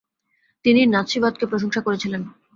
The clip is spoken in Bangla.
তিনি নাৎসিবাদকে প্রশংসা করেছিলেন।